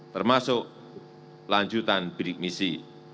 termasuk lanjutan bidik misi